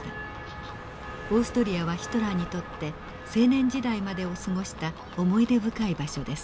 オーストリアはヒトラーにとって青年時代までを過ごした思い出深い場所です。